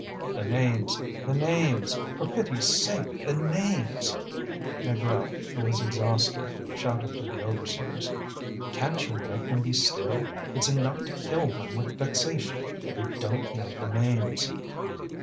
"The names! the names! For pity's sake, the names!" Négrel, who was exhausted, shouted to the overseers: "Can't you make them be still? It's enough to kill one with vexation! We don't know the names!"